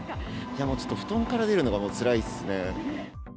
もうちょっと布団から出るのがもうつらいですね。